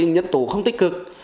nhân tố không tích cực